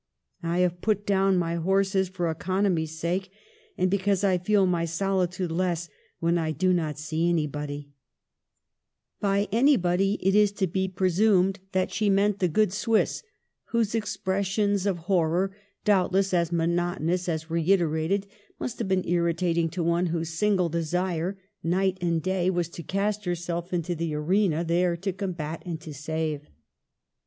I have put down my horses for economy's sake, and because I feel my solitude less when I do not see any body;' (69) Digitized by VjOOQIC JO MADAME DE STA&L By "anybody" it is to be presumed that she meant the good Swiss, whose expressions of hor ror, doubtless as monotonous as reiterated, must have been irritating to one whose single desire night and day, was to cast herself into the arena, there to combat and to save.